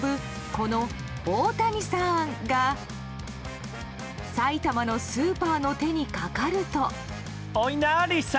このオオタニサンが埼玉のスーパーの手にかかると。